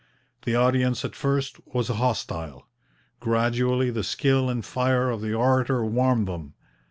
The audience at first was hostile. Gradually the skill and fire of the orator warmed them.